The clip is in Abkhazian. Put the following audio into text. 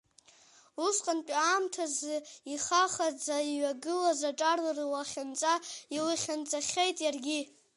Усҟантәи аамҭазы, ихахаӡа иҩагылаз аҿар рлахьынҵа илахьынҵахеит иаргьы.